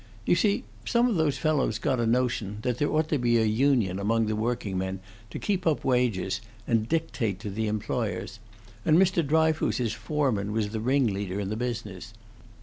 You see, some of those fellows got a notion that there ought to be a union among the working men to keep up wages, and dictate to the employers, and Mr. Dryfoos's foreman was the ringleader in the business.